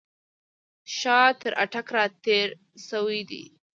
شاه تر اټک را تېر شوی دی.